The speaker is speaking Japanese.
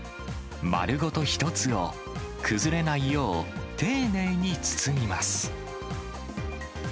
丸ごと１つを崩れないよう、丁寧に包みます。